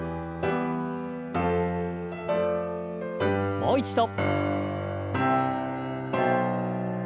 もう一度。